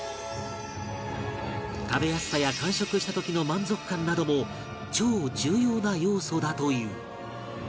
食べやすさや完食した時の満足感なども超重要な要素だという